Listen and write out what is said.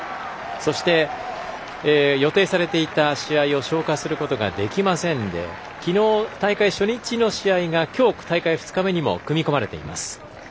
そして、予定されていた試合を消化することができませんできのう、大会初日の試合がきょう、大会２日目にも組み込まれています。